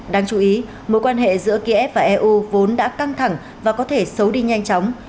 đáng chú ý mối quan hệ giữa kiev và eu vốn đã căng thẳng và có thể xấu đi nhanh chóng